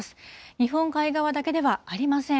日本海側だけではありません。